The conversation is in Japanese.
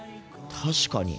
確かに。